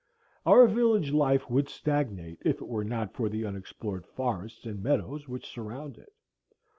Our village life would stagnate if it were not for the unexplored forests and meadows which surround it.